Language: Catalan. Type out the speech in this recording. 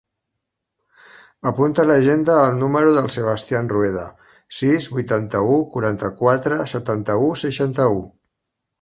Apunta a l'agenda el número del Sebastian Rueda: sis, vuitanta-u, quaranta-quatre, setanta-u, seixanta-u.